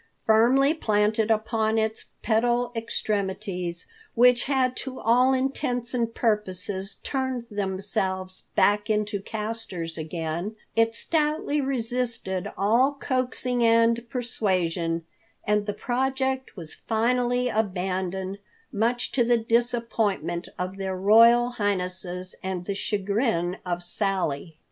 Firmly planted upon its pedal extremities, which had to all intents and purposes turned themselves back into castors again, it stoutly resisted all coaxing and persuasion; and the project was finally abandoned, much to the disappointment of their Royal Highnesses and the chagrin of Sally.